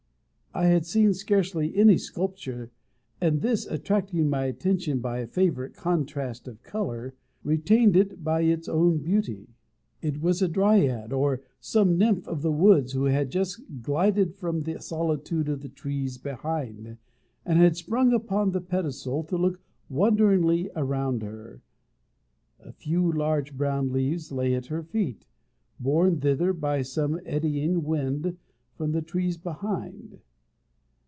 I had seen scarcely any sculpture; and this, attracting my attention by a favourite contrast of colour, retained it by its own beauty. It was a Dryad, or some nymph of the woods, who had just glided from the solitude of the trees behind, and had sprung upon the pedestal to look wonderingly around her. A few large brown leaves lay at her feet, borne thither by some eddying wind from the trees behind.